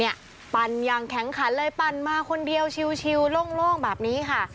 ปั่นอย่างแข็งขันเลยปั่นมาคนเดียวชิลโล่งแบบนี้ค่ะ